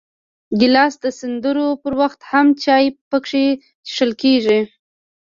ګیلاس د سندرو پر وخت هم چای پکې څښل کېږي.